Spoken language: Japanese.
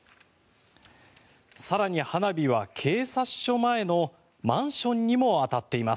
更に、花火は警察署前のマンションにも当たっています。